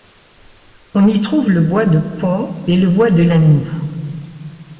On y trouve le bois de Pont et le bois de la Noue.